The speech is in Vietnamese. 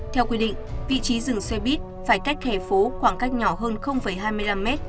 theo quy định vị trí dừng xe buýt phải cách hẻ phố khoảng cách nhỏ hơn hai mươi năm mét